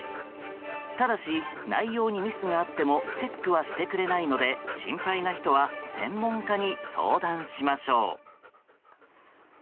ただし、内容にミスがあってもチェックはしてくれないので心配な人は専門家に相談しましょう。